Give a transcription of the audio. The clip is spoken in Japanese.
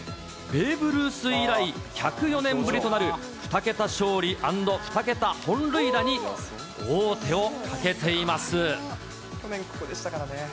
ベーブ・ルース以来１０４年ぶりとなる、２桁勝利＆２桁本塁打に王手をかけています。